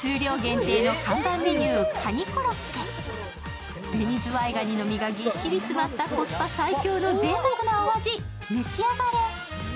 数量限定の看板メニューカニコロッケ、紅ズワイガニの身がぎっしり詰まったコスパ最強のぜいたくなお味、召し上がれ。